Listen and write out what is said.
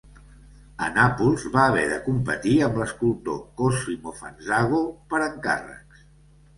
A Nàpols, va haver de competir amb l'escultor Cosimo Fanzago per encàrrecs.